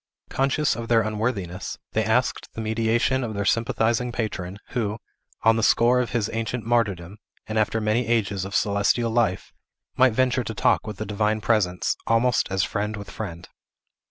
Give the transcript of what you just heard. Conscious of their unworthiness, they asked the mediation of their sympathizing patron, who, on the score of his ancient martyrdom, and after many ages of celestial life, might venture to talk with the Divine Presence, almost as friend with friend.